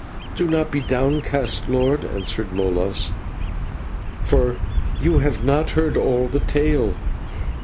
"Do not be downcast, lord," answered Molas, "for you have not heard all the tale.